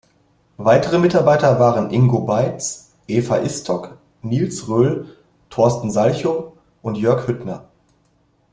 Weitere Mitarbeiter waren Ingo Beitz, Eva Istok, Nils Röhl, Torsten Salchow und Jörg Hüttner.